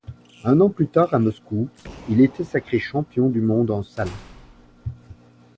Un an plus tard à Moscou, il était sacré champion du monde en salle.